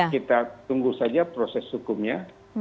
kita tunggu saja proses hukumnya